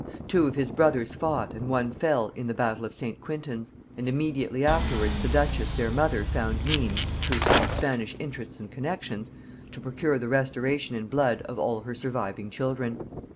Two of his brothers fought, and one fell, in the battle of St. Quintin's; and immediately afterwards the duchess their mother found means, through some Spanish interests and connexions, to procure the restoration in blood of all her surviving children.